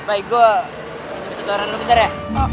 baik gue bisa keluar dulu bentar ya